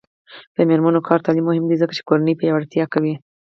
د میرمنو کار او تعلیم مهم دی ځکه چې کورنۍ پیاوړتیا کوي.